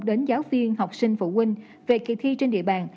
đến giáo viên học sinh phụ huynh về kỳ thi trên địa bàn